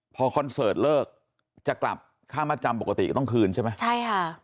พอคอนเสิร์ตเลิกจะกลับค่ามาจำปกติก็ต้องคืนใช่ไหมใช่ค่ะ